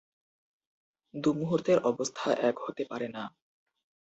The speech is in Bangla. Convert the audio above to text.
দু’মুহূর্তের অবস্থা এক হতে পারে না।